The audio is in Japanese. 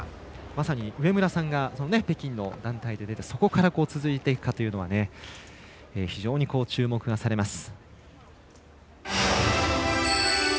まさに上村さんが北京の団体で出てそこから続いていくかというのは非常に注目がされます。